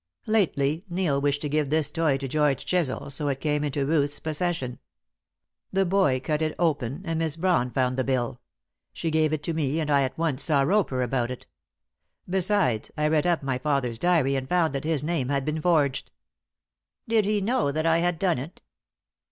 Lately Neil wished to give this toy to George Chisel, so it came into Ruth's possession. The boy cut it open, and Miss Brawn found the bill. She gave it to me and I at once saw Roper about it. Besides, I read up my father's diary and found that his name had been forged." "Did he know that I had done it?"